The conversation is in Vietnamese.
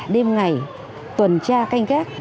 đêm ngày tuần tra các anh khác